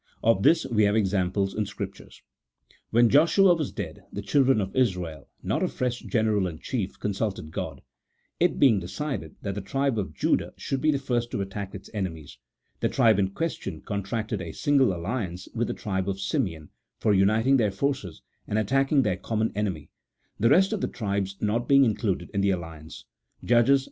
Of this we have examples in Scripture. When Joshua was 1 See Note 32. CHAP. XVII.] OF THE HEBREW THEOCRACY. 225 dead, the children of Israel (not a fresh general in chief) consulted God; it being decided that the tribe of Judah should be the first to attack its enemies, the tribe in ques tion contracted a single alliance with the tribe of Simeon, for uniting their forces, and attacking their common enemy, the rest of the tribes not being included in the alliance (Judges i.